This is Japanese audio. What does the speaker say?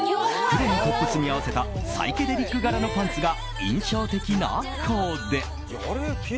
黒のトップスに合わせたサイケデリック柄のパンツが印象的なコーデ。